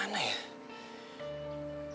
haruah gimana ya